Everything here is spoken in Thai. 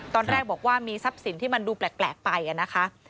ตอนแรกบอกว่ามีทรัพย์สินที่มันดูแปลกไปนะคะ